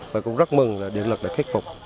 và cũng rất mừng là điện lực đã khắc phục